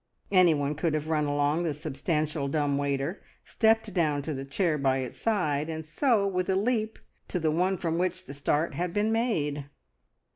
Anyone could have run along the substantial dumb waiter, stepped down to the chair by its side, and so, with a leap, to the one from which the start had been made.